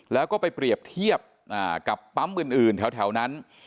แล้วก็ไปเปรียบเทียบกับปั๊มอื่นแถวนั้น